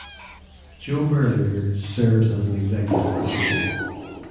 Joe Berlinger serves as an executive producer.